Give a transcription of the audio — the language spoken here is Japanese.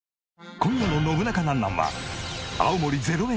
今夜の『ノブナカなんなん？』は青森０円